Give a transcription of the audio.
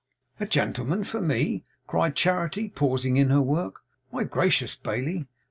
'A gentleman for me!' cried Charity, pausing in her work; 'my gracious, Bailey!